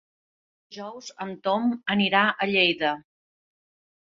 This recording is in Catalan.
Dijous en Tom anirà a Lleida.